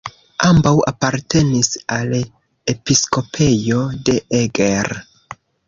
Ambaŭ apartenis al episkopejo de Eger.